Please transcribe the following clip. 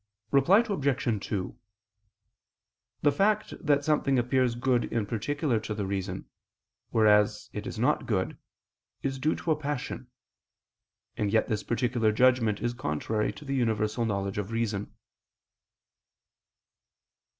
Reply Obj. 2: The fact that something appears good in particular to the reason, whereas it is not good, is due to a passion: and yet this particular judgment is contrary to the universal knowledge of the reason.